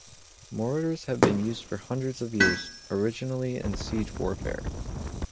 Mortars have been used for hundreds of years, originally in siege warfare.